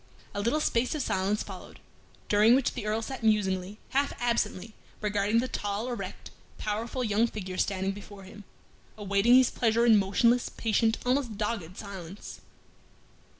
A little space of silence followed, during which the Earl sat musingly, half absently, regarding the tall, erect, powerful young figure standing before him, awaiting his pleasure in motionless, patient, almost dogged silence.